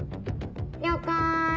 了解。